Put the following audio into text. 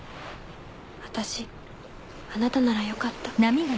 あたしあなたならよかった。